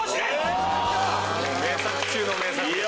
名作中の名作。